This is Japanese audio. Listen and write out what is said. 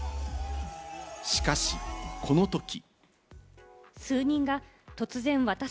しかし、このとき。